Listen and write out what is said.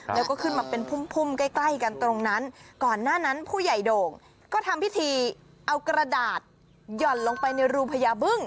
แล้วก็ขึ้นมาเป็นพุ่มพุ่มใกล้ใกล้กันตรงนั้นก่อนหน้านั้นผู้ใหญ่โด่งก็ทำพิธีเอากระดาษหย่อนลงไปในรูพญาบึ้ง